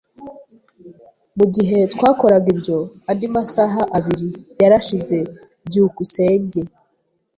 Mugihe twakoraga ibyo, andi masaha abiri yarashize. byukusenge